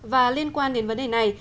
và liên quan đến vấn đề này